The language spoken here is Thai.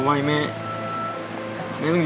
พ่อผมจะช่วยพ่อผมจะช่วยพ่อผมจะช่วย